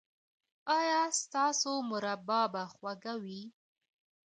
ایا ستاسو مربا به خوږه وي؟